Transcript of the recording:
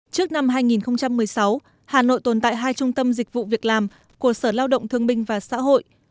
trước năm hai nghìn một mươi sáu hà nội tồn tại hai trung tâm dịch vụ việc làm của sở lao động thương binh và xã hội